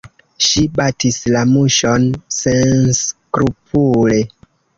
Ŝi batis la muŝon senskrupule!